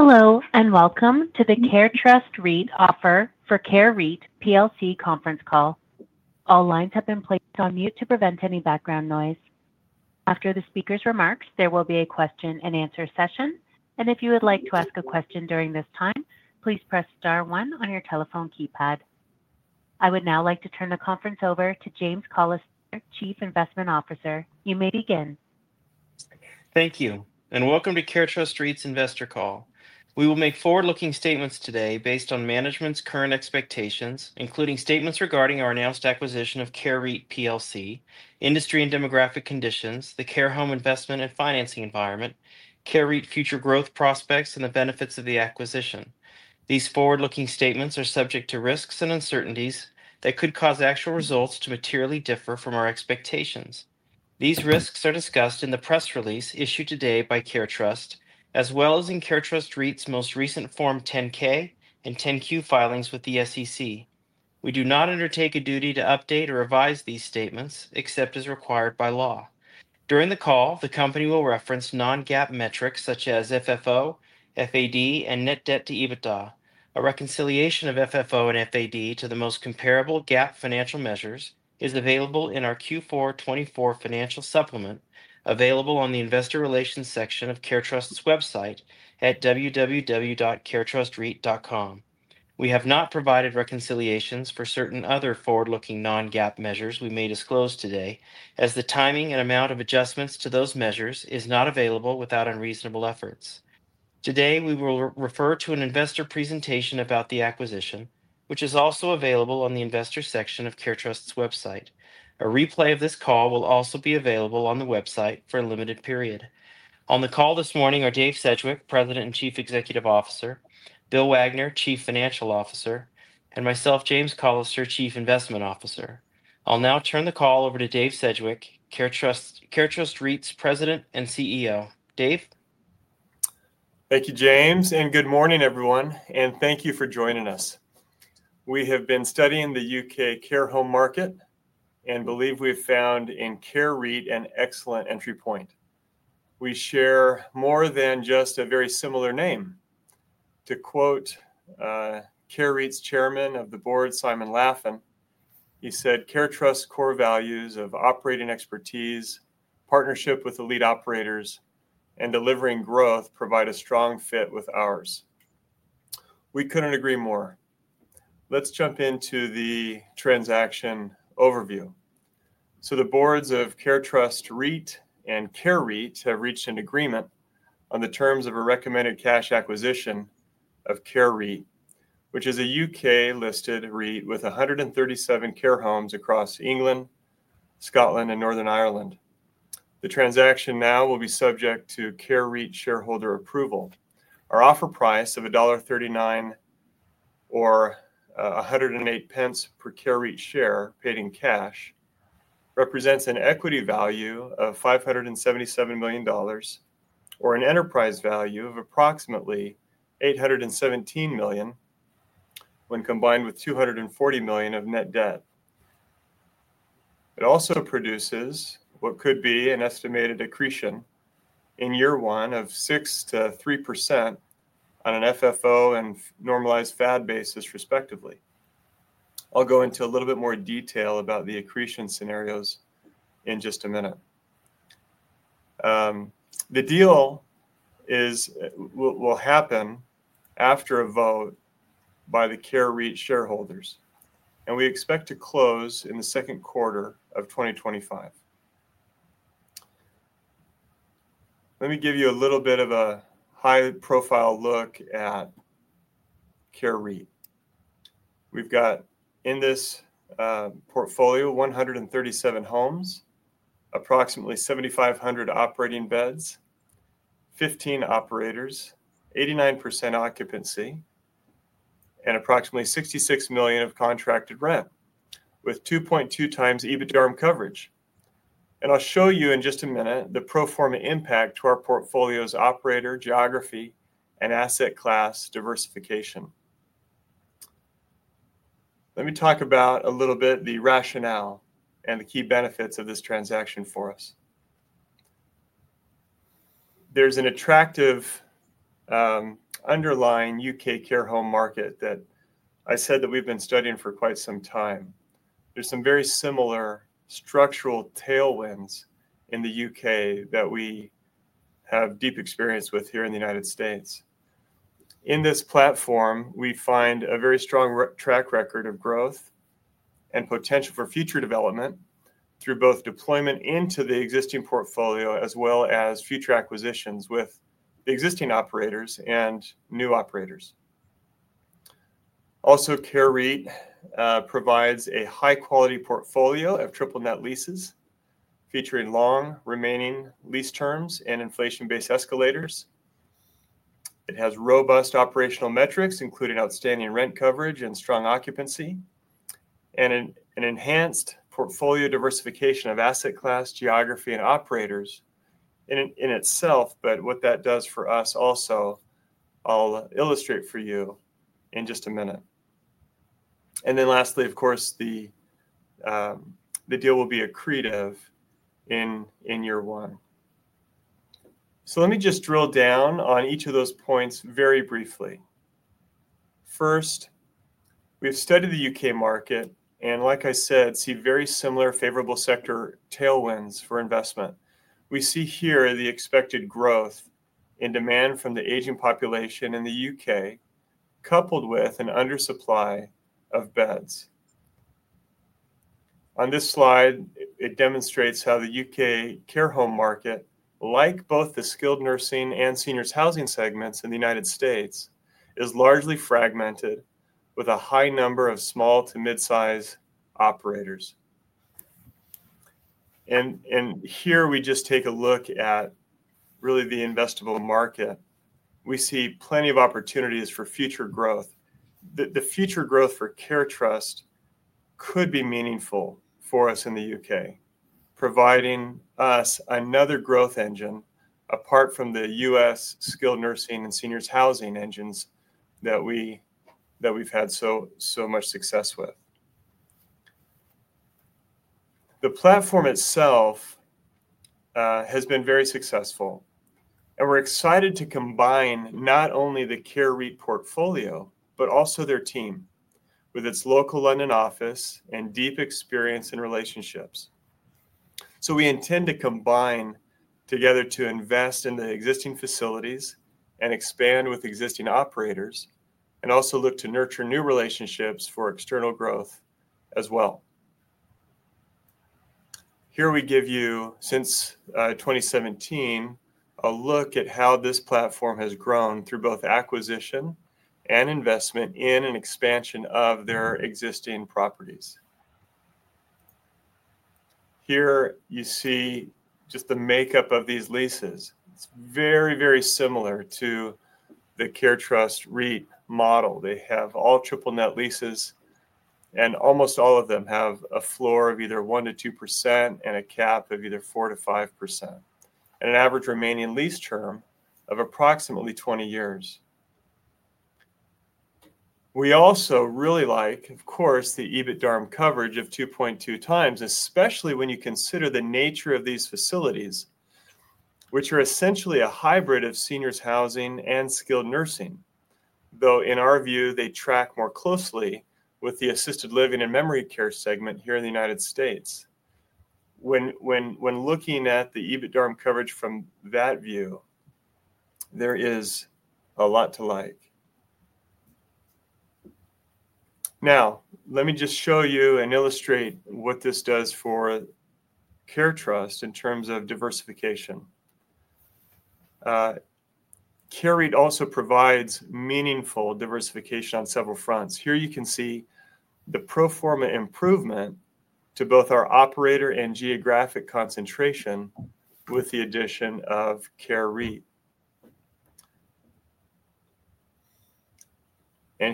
Hello, and welcome to the CareTrust REIT offer for Care REIT plc conference call. All lines have been placed on mute to prevent any background noise. After the speaker's remarks, there will be a question-and-answer session, and if you would like to ask a question during this time, please press star one on your telephone keypad. I would now like to turn the conference over to James Callister, Chief Investment Officer. You may begin. Thank you, and welcome to CareTrust REIT's investor call. We will make forward-looking statements today based on management's current expectations, including statements regarding our announced acquisition of Care REIT plc, industry and demographic conditions, the care home investment and financing environment, Care REIT future growth prospects, and the benefits of the acquisition. These forward-looking statements are subject to risks and uncertainties that could cause actual results to materially differ from our expectations. These risks are discussed in the press release issued today by CareTrust, as well as in CareTrust REIT's most recent Form 10-K and 10-Q filings with the SEC. We do not undertake a duty to update or revise these statements except as required by law. During the call, the company will reference non-GAAP metrics such as FFO, FAD, and net debt to EBITDA. A reconciliation of FFO and FAD to the most comparable GAAP financial measures is available in our Q4 2024 financial supplement available on the investor relations section of CareTrust's website at www.caretrustreit.com. We have not provided reconciliations for certain other forward-looking non-GAAP measures we may disclose today, as the timing and amount of adjustments to those measures is not available without unreasonable efforts. Today, we will refer to an investor presentation about the acquisition, which is also available on the investor section of CareTrust's website. A replay of this call will also be available on the website for a limited period. On the call this morning are Dave Sedgwick, President and Chief Executive Officer; Bill Wagner, Chief Financial Officer; and myself, James Callister, Chief Investment Officer. I'll now turn the call over to Dave Sedgwick, CareTrust REIT's President and CEO. Dave? Thank you, James, and good morning, everyone, and thank you for joining us. We have been studying the U.K. care home market and believe we have found in Care REIT an excellent entry point. We share more than just a very similar name. To quote Care REIT's Chairman of the Board, Simon Laffin, he said, "CareTrust's core values of operating expertise, partnership with elite operators, and delivering growth provide a strong fit with ours." We couldn't agree more. Let's jump into the transaction overview. The boards of CareTrust REIT and Care REIT have reached an agreement on the terms of a recommended cash acquisition of Care REIT, which is a U.K.-listed REIT with 137 care homes across England, Scotland, and Northern Ireland. The transaction now will be subject to Care REIT shareholder approval. Our offer price of $1.39 or 1.08 per Care REIT share paid in cash represents an equity value of $577 million or an enterprise value of approximately $817 million when combined with $240 million of net debt. It also produces what could be an estimated accretion in year one of 6%-3% on an FFO and normalized FAD basis, respectively. I'll go into a little bit more detail about the accretion scenarios in just a minute. The deal will happen after a vote by the Care REIT shareholders, and we expect to close in the second quarter of 2025. Let me give you a little bit of a high-profile look at Care REIT. We've got in this portfolio 137 homes, approximately 7,500 operating beds, 15 operators, 89% occupancy, and approximately $66 million of contracted rent, with 2.2x EBITDA coverage. I'll show you in just a minute the pro forma impact to our portfolio's operator geography and asset class diversification. Let me talk about a little bit the rationale and the key benefits of this transaction for us. There's an attractive underlying U.K. care home market that I said that we've been studying for quite some time. There are some very similar structural tailwinds in the U.K. that we have deep experience with here in the United States. In this platform, we find a very strong track record of growth and potential for future development through both deployment into the existing portfolio as well as future acquisitions with existing operators and new operators. Also, Care REIT provides a high-quality portfolio of triple-net leases featuring long remaining lease terms and inflation-based escalators. It has robust operational metrics, including outstanding rent coverage and strong occupancy, and an enhanced portfolio diversification of asset class, geography, and operators in itself. What that does for us also, I'll illustrate for you in just a minute. Lastly, of course, the deal will be accretive in year one. Let me just drill down on each of those points very briefly. First, we've studied the U.K. market and, like I said, see very similar favorable sector tailwinds for investment. We see here the expected growth in demand from the aging population in the U.K., coupled with an undersupply of beds. On this slide, it demonstrates how the U.K. care home market, like both the skilled nursing and seniors housing segments in the United States, is largely fragmented with a high number of small to mid-size operators. Here we just take a look at really the investable market. We see plenty of opportunities for future growth. The future growth for CareTrust could be meaningful for us in the U.K., providing us another growth engine apart from the U.S. skilled nursing and seniors housing engines that we've had so much success with. The platform itself has been very successful, and we're excited to combine not only the Care REIT portfolio but also their team with its local London office and deep experience and relationships. We intend to combine together to invest in the existing facilities and expand with existing operators, and also look to nurture new relationships for external growth as well. Here we give you, since 2017, a look at how this platform has grown through both acquisition and investment in an expansion of their existing properties. Here you see just the makeup of these leases. It's very, very similar to the CareTrust REIT model. They have all triple-net leases, and almost all of them have a floor of either 1%-2% and a cap of either 4%-5% and an average remaining lease term of approximately 20 years. We also really like, of course, the EBITDA coverage of 2.2x, especially when you consider the nature of these facilities, which are essentially a hybrid of seniors housing and skilled nursing, though in our view, they track more closely with the assisted living and memory care segment here in the United States. When looking at the EBITDA coverage from that view, there is a lot to like. Now, let me just show you and illustrate what this does for CareTrust in terms of diversification. Care REIT also provides meaningful diversification on several fronts. Here you can see the pro forma improvement to both our operator and geographic concentration with the addition of Care REIT.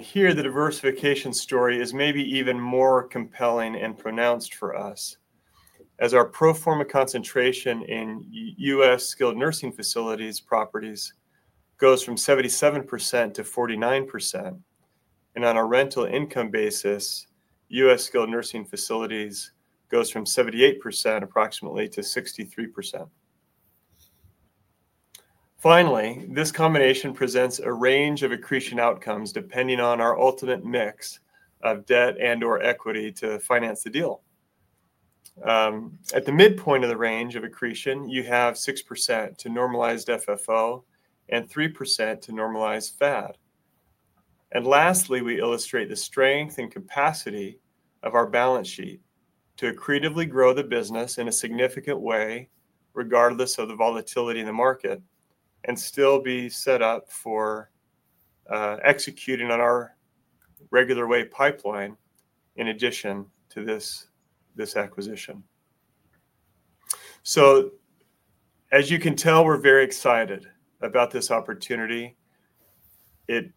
Here, the diversification story is maybe even more compelling and pronounced for us, as our pro forma concentration in U.S. skilled nursing facilities properties goes from 77%-49%. On a rental income basis, U.S. skilled nursing facilities goes from 78% approximately to 63%. Finally, this combination presents a range of accretion outcomes depending on our ultimate mix of debt and/or equity to finance the deal. At the midpoint of the range of accretion, you have 6% to normalized FFO and 3% to normalized FAD. Lastly, we illustrate the strength and capacity of our balance sheet to accretively grow the business in a significant way, regardless of the volatility in the market, and still be set up for executing on our regular way pipeline in addition to this acquisition. As you can tell, we're very excited about this opportunity. It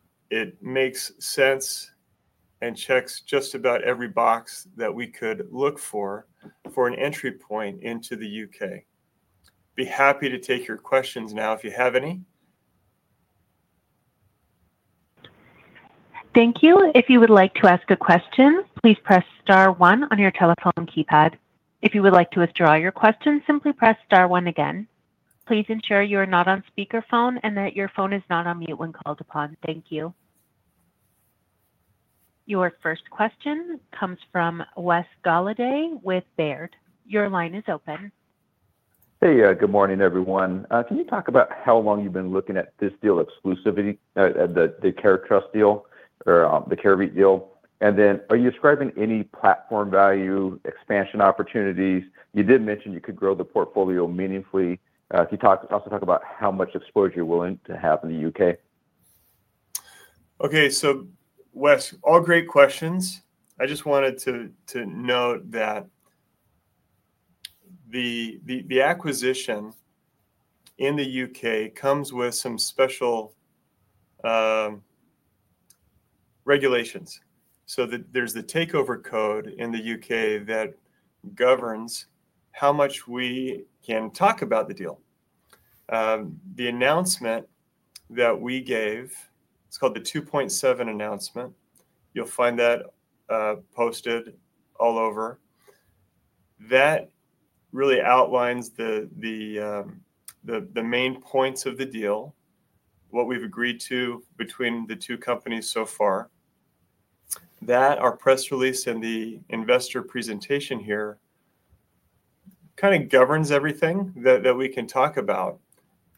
makes sense and checks just about every box that we could look for an entry point into the U.K. Be happy to take your questions now if you have any. Thank you. If you would like to ask a question, please press star one on your telephone keypad. If you would like to withdraw your question, simply press star one again. Please ensure you are not on speakerphone and that your phone is not on mute when called upon. Thank you. Your first question comes from Wes Golladay with Baird. Your line is open. Hey, good morning, everyone. Can you talk about how long you've been looking at this deal exclusively, the CareTrust deal or the Care REIT deal? Are you describing any platform value, expansion opportunities? You did mention you could grow the portfolio meaningfully. Can you also talk about how much exposure you're willing to have in the U.K.? Okay. Wes, all great questions. I just wanted to note that the acquisition in the U.K. comes with some special regulations. There's the Takeover Code in the U.K. that governs how much we can talk about the deal. The announcement that we gave, it's called the 2.7 announcement. You'll find that posted all over. That really outlines the main points of the deal, what we've agreed to between the two companies so far. Our press release and the investor presentation here kind of govern everything that we can talk about.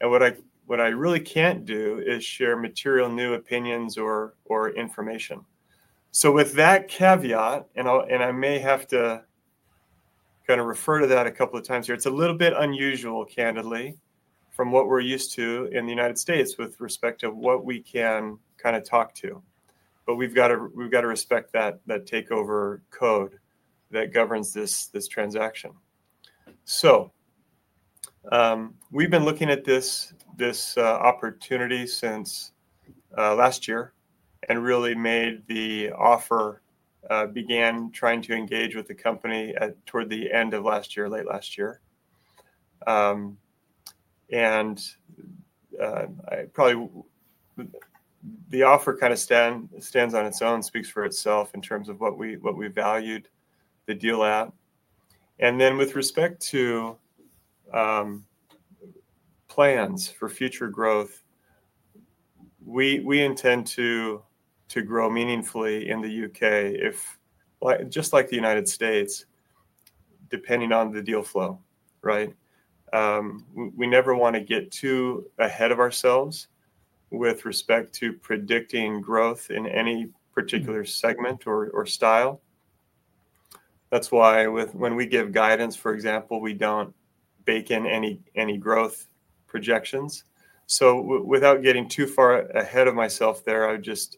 What I really can't do is share material new opinions or information. With that caveat, and I may have to kind of refer to that a couple of times here, it's a little bit unusual, candidly, from what we're used to in the United States with respect to what we can kind of talk to. We have to respect that Takeover Code that governs this transaction. We have been looking at this opportunity since last year and really made the offer, began trying to engage with the company toward the end of last year, late last year. Probably the offer kind of stands on its own, speaks for itself in terms of what we valued the deal at. With respect to plans for future growth, we intend to grow meaningfully in the U.K., just like the United States, depending on the deal flow, right? We never want to get too ahead of ourselves with respect to predicting growth in any particular segment or style. That is why when we give guidance, for example, we do not bake in any growth projections. Without getting too far ahead of myself there, I would just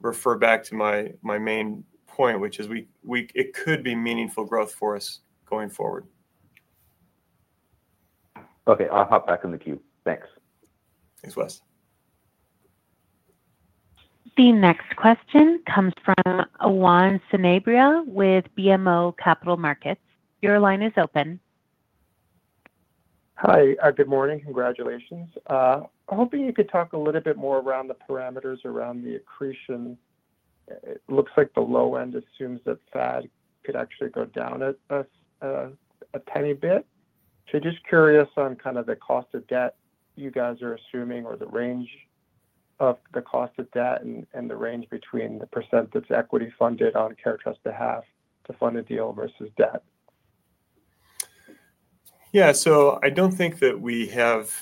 refer back to my main point, which is it could be meaningful growth for us going forward. Okay. I'll hop back in the queue. Thanks. Thanks, Wes. The next question comes from Juan Sanabria with BMO Capital Markets. Your line is open. Hi. Good morning. Congratulations. Hoping you could talk a little bit more around the parameters around the accretion. It looks like the low end assumes that FAD could actually go down a tiny bit. Just curious on kind of the cost of debt you guys are assuming or the range of the cost of debt and the range between the % that's equity funded on CareTrust to have to fund a deal versus debt. Yeah. I do not think that we have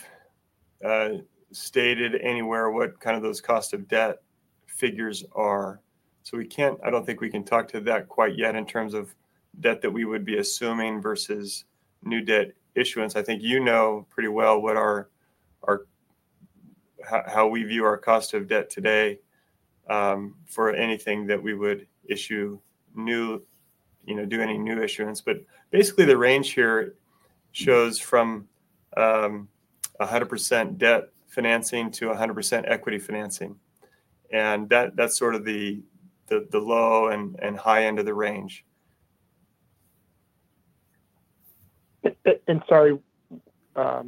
stated anywhere what kind of those cost of debt figures are. I do not think we can talk to that quite yet in terms of debt that we would be assuming versus new debt issuance. I think you know pretty well how we view our cost of debt today for anything that we would issue new, do any new issuance. Basically, the range here shows from 100% debt financing to 100% equity financing. That is sort of the low and high end of the range. Sorry,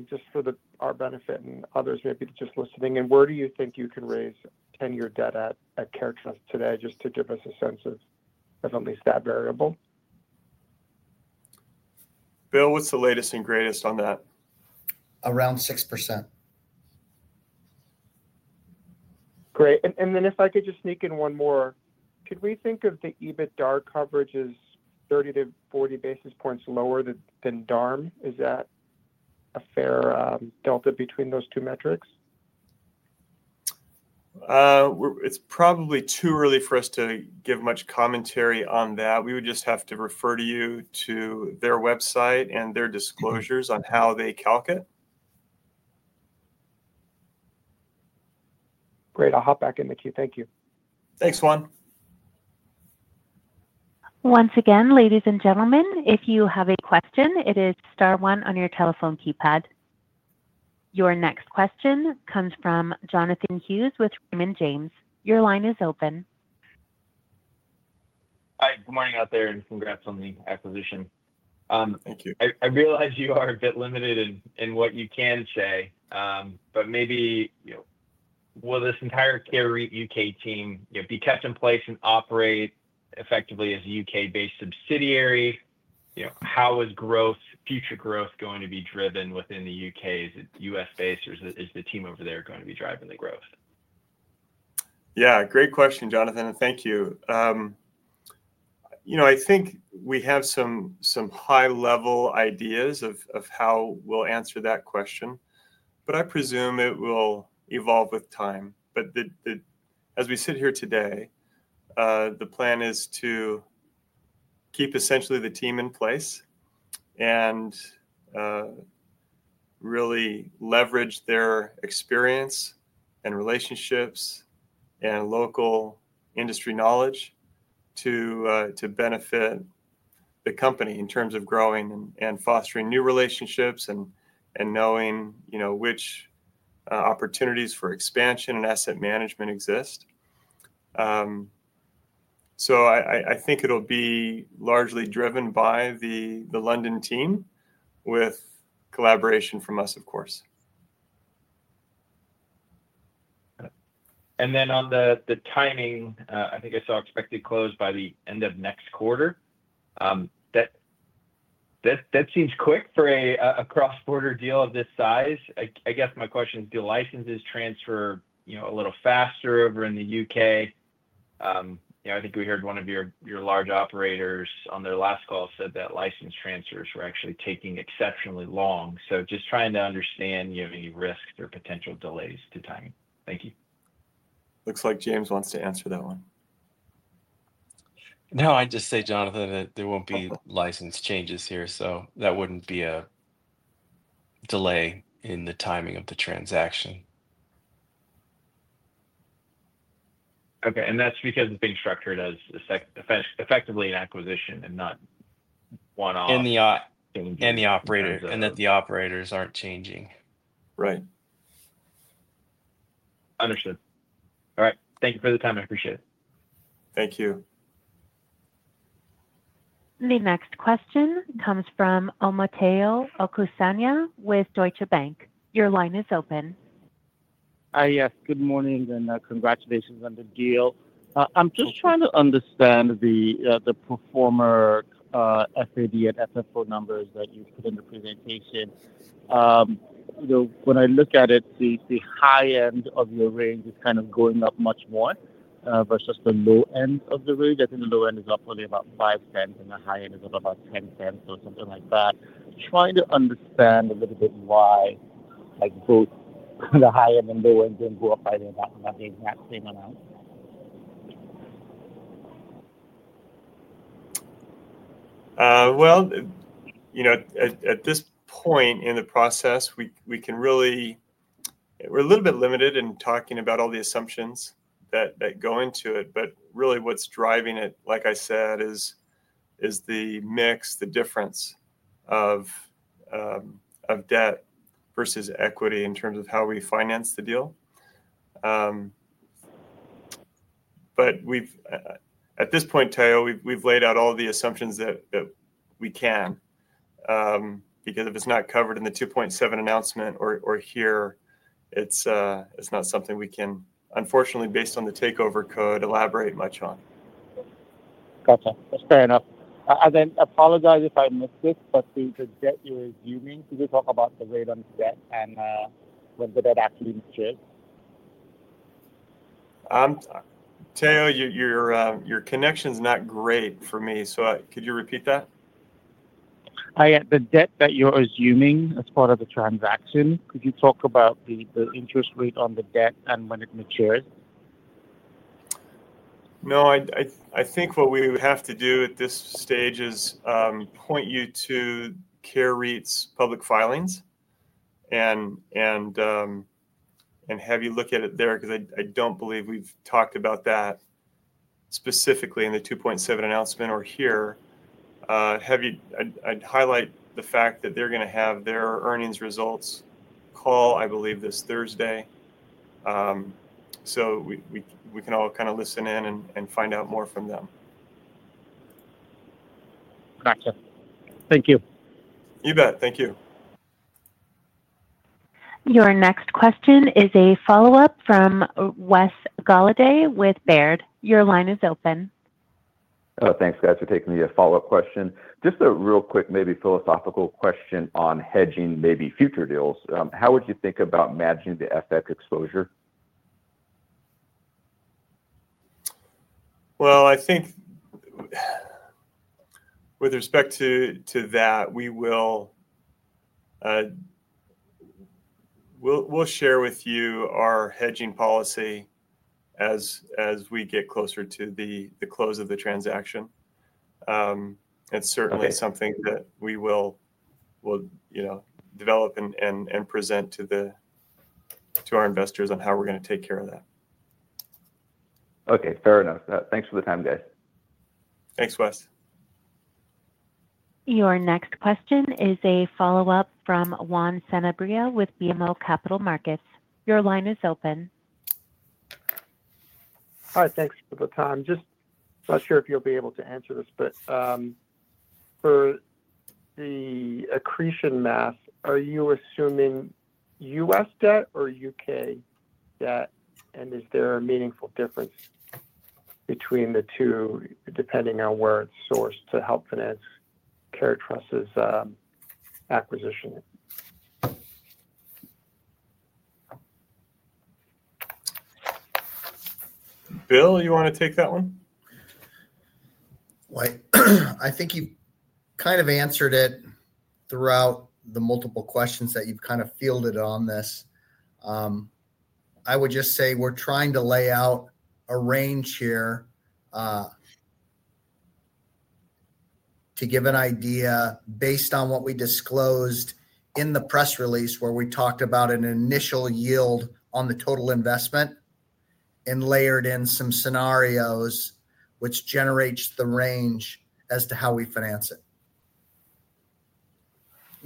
just for our benefit and others maybe just listening, where do you think you can raise 10-year debt at CareTrust today just to give us a sense of at least that variable? Bill, what's the latest and greatest on that? Around 6%. Great. If I could just sneak in one more, could we think of the EBITDA coverage as 30-40 basis points lower than EBITDARM? Is that a fair delta between those two metrics? It's probably too early for us to give much commentary on that. We would just have to refer you to their website and their disclosures on how they calculate. Great. I'll hop back in the queue. Thank you. Thanks, Juan. Once again, ladies and gentlemen, if you have a question, it is star one on your telephone keypad. Your next question comes from Jonathan Hughes with Raymond James. Your line is open. Hi. Good morning out there, and congrats on the acquisition. Thank you. I realize you are a bit limited in what you can say, but maybe will this entire Care REIT U.K. team be kept in place and operate effectively as a U.K.-based subsidiary? How is growth, future growth, going to be driven within the U.K.? Is it U.S.-based, or is the team over there going to be driving the growth? Yeah. Great question, Jonathan, and thank you. I think we have some high-level ideas of how we'll answer that question, but I presume it will evolve with time. As we sit here today, the plan is to keep essentially the team in place and really leverage their experience and relationships and local industry knowledge to benefit the company in terms of growing and fostering new relationships and knowing which opportunities for expansion and asset management exist. I think it'll be largely driven by the London team with collaboration from us, of course. On the timing, I think I saw expected close by the end of next quarter. That seems quick for a cross-border deal of this size. I guess my question is, do licenses transfer a little faster over in the U.K.? I think we heard one of your large operators on their last call said that license transfers were actually taking exceptionally long. Just trying to understand any risks or potential delays to timing. Thank you. Looks like James wants to answer that one. No, I'd just say, Jonathan, that there won't be license changes here, so that wouldn't be a delay in the timing of the transaction. Okay. That is because it is being structured as effectively an acquisition and not one-off. In the operators. The operators aren't changing. Right. Understood. All right. Thank you for the time. I appreciate it. Thank you. The next question comes from Omotayo Okusanya with Deutsche Bank. Your line is open. Hi, yes. Good morning and congratulations on the deal. I'm just trying to understand the pro forma FAD and FFO numbers that you put in the presentation. When I look at it, the high end of your range is kind of going up much more versus the low end of the range. I think the low end is up only about $0.05 and the high end is up about $0.10 or something like that. Trying to understand a little bit why both the high end and low end didn't go up by exactly the same amount. At this point in the process, we can really, we're a little bit limited in talking about all the assumptions that go into it. Really, what's driving it, like I said, is the mix, the difference of debt versus equity in terms of how we finance the deal. At this point, Tayo, we've laid out all the assumptions that we can because if it's not covered in the 2.7 announcement or here, it's not something we can, unfortunately, based on the Takeover Code, elaborate much on. Gotcha. That's fair enough. I apologize if I missed this, but the debt you're assuming, could you talk about the rate on debt and when the debt actually matches? Tayo, your connection's not great for me. Could you repeat that? The debt that you're assuming as part of the transaction, could you talk about the interest rate on the debt and when it matures? No, I think what we would have to do at this stage is point you to Care REIT's public filings and have you look at it there because I do not believe we have talked about that specifically in the 2.7 announcement or here. I would highlight the fact that they are going to have their earnings results call, I believe, this Thursday. We can all kind of listen in and find out more from them. Gotcha. Thank you. You bet. Thank you. Your next question is a follow-up from Wes Golladay with Baird. Your line is open. Oh, thanks, guys, for taking the follow-up question. Just a real quick maybe philosophical question on hedging maybe future deals. How would you think about managing the FX exposure? I think with respect to that, we'll share with you our hedging policy as we get closer to the close of the transaction. It's certainly something that we will develop and present to our investors on how we're going to take care of that. Okay. Fair enough. Thanks for the time, guys. Thanks, Wes. Your next question is a follow-up from Juan Sanabria with BMO Capital Markets. Your line is open. Hi. Thanks for the time. Just not sure if you'll be able to answer this, but for the accretion math, are you assuming U.S. debt or U.K. debt? Is there a meaningful difference between the two depending on where it's sourced to help finance CareTrust's acquisition? Bill, you want to take that one? I think you've kind of answered it throughout the multiple questions that you've kind of fielded on this. I would just say we're trying to lay out a range here to give an idea based on what we disclosed in the press release where we talked about an initial yield on the total investment and layered in some scenarios, which generates the range as to how we finance it.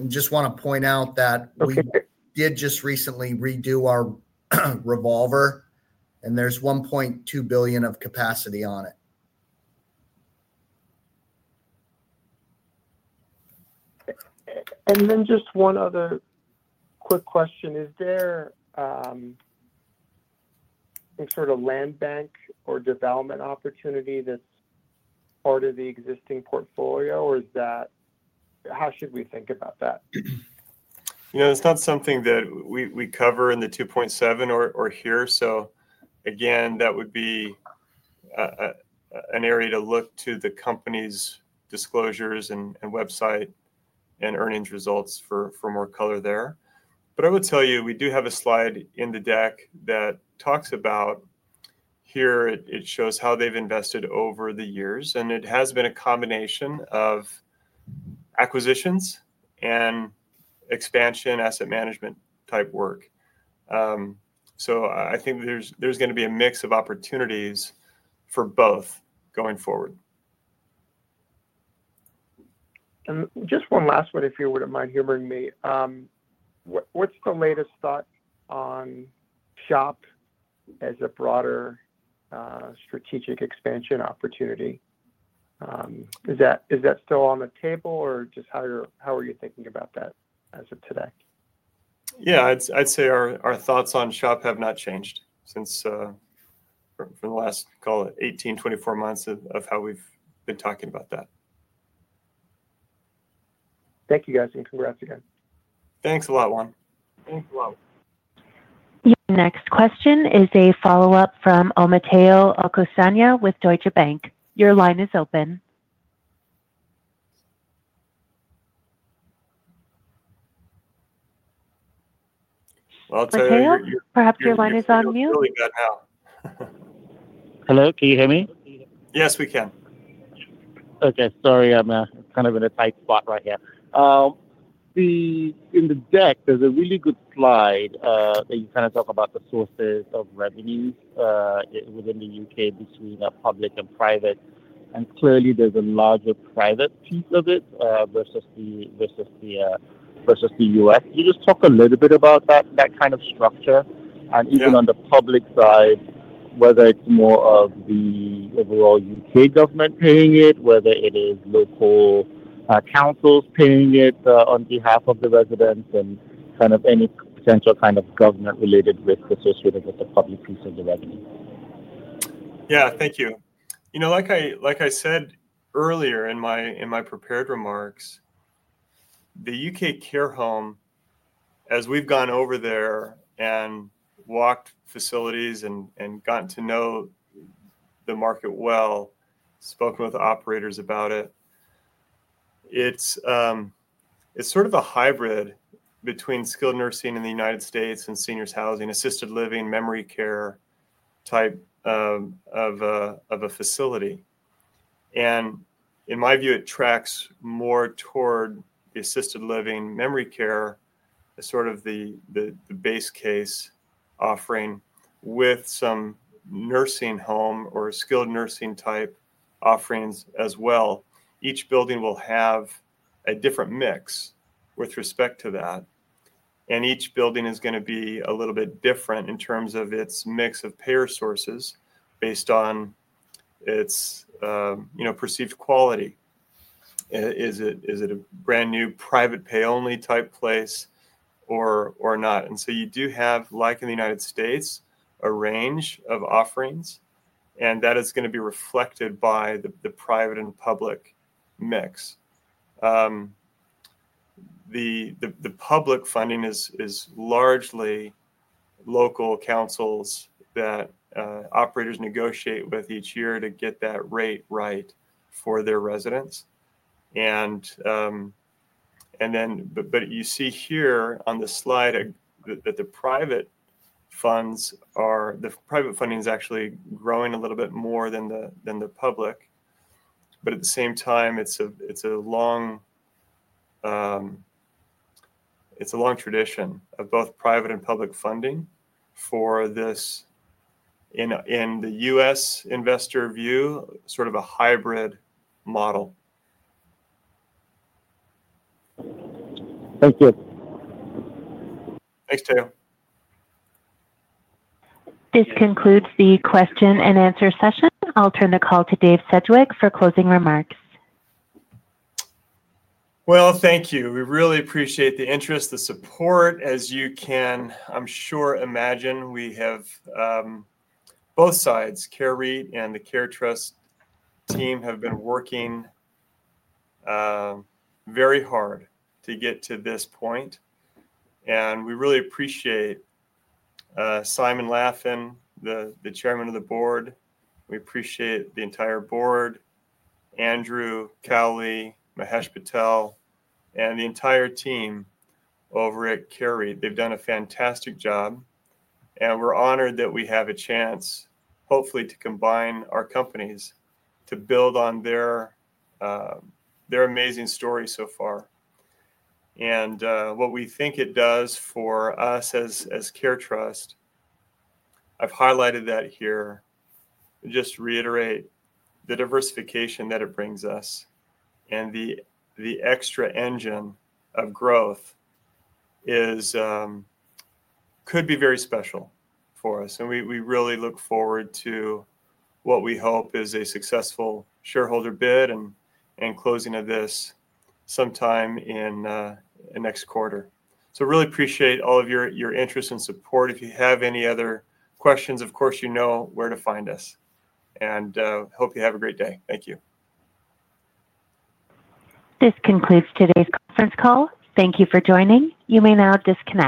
I just want to point out that we did just recently redo our revolver, and there's $1.2 billion of capacity on it. Just one other quick question. Is there any sort of land bank or development opportunity that's part of the existing portfolio, or how should we think about that? It's not something that we cover in the 2.7 or here. That would be an area to look to the company's disclosures and website and earnings results for more color there. I will tell you, we do have a slide in the deck that talks about here. It shows how they've invested over the years, and it has been a combination of acquisitions and expansion asset management-type work. I think there's going to be a mix of opportunities for both going forward. Just one last one, if you would not mind hearing me. What is the latest thought on SHOP as a broader strategic expansion opportunity? Is that still on the table, or just how are you thinking about that as of today? Yeah. I'd say our thoughts on SHOP have not changed since for the last, call it, 18-24 months of how we've been talking about that. Thank you, guys, and congrats again. Thanks a lot, Juan. Thanks a lot. Your next question is a follow-up from Omotayo Okusanya with Deutsche Bank. Your line is open. I'll tell you. Omotayo, perhaps your line is on mute. I think we're good now. Hello? Can you hear me? Yes, we can. Okay. Sorry, I'm kind of in a tight spot right here. In the deck, there's a really good slide that you kind of talk about the sources of revenues within the U.K. between public and private. And clearly, there's a larger private piece of it versus the U.S. Can you just talk a little bit about that kind of structure? Even on the public side, whether it's more of the overall U.K. government paying it, whether it is local councils paying it on behalf of the residents, and kind of any potential kind of government-related risk associated with the public piece of the revenue? Yeah. Thank you. Like I said earlier in my prepared remarks, the U.K. care home, as we've gone over there and walked facilities and gotten to know the market well, spoken with operators about it, it's sort of a hybrid between skilled nursing in the United States and seniors housing, assisted living, memory care type of a facility. In my view, it tracks more toward the assisted living, memory care, sort of the base case offering with some nursing home or skilled nursing type offerings as well. Each building will have a different mix with respect to that. Each building is going to be a little bit different in terms of its mix of payer sources based on its perceived quality. Is it a brand new private pay-only type place or not? You do have, like in the United States, a range of offerings, and that is going to be reflected by the private and public mix. The public funding is largely local councils that operators negotiate with each year to get that rate right for their residents. You see here on the slide that the private funds or the private funding is actually growing a little bit more than the public. At the same time, it is a long tradition of both private and public funding for this, in the U.S. investor view, sort of a hybrid model. Thank you. Thanks, Tayo. This concludes the question-and-answer session. I'll turn the call to Dave Sedgwick for closing remarks. Thank you. We really appreciate the interest, the support. As you can, I'm sure, imagine we have both sides, Care REIT and the CareTrust team, have been working very hard to get to this point. We really appreciate Simon Laffin, the Chairman of the Board. We appreciate the entire board, Andrew Cowley, Mahesh Patel, and the entire team over at Care REIT. They've done a fantastic job. We're honored that we have a chance, hopefully, to combine our companies to build on their amazing story so far. What we think it does for us as CareTrust, I've highlighted that here. Just to reiterate, the diversification that it brings us and the extra engine of growth could be very special for us. We really look forward to what we hope is a successful shareholder bid and closing of this sometime in the next quarter. Really appreciate all of your interest and support. If you have any other questions, of course, you know where to find us. Hope you have a great day. Thank you. This concludes today's conference call. Thank you for joining. You may now disconnect.